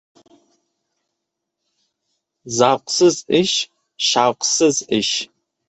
Zavqsiz ish — shavqsiz ish.